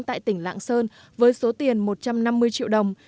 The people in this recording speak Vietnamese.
tại tỉnh lạng sơn với số tiền một trăm năm mươi triệu đồng